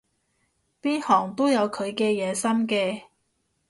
邊行都有佢嘅野心嘅